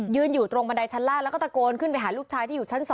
อยู่ตรงบันไดชั้นล่างแล้วก็ตะโกนขึ้นไปหาลูกชายที่อยู่ชั้น๒